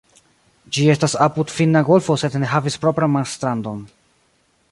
Ĝi estas apud Finna golfo sed ne havis propran marstrandon.